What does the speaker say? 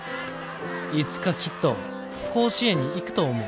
いつかきっと甲子園に行くと思う」。